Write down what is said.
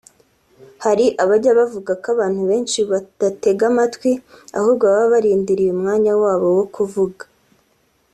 Hari abajya bavuga ko abantu benshi badatega amatwi ahubwo baba barindiriye umwanya wabo wo kuvuga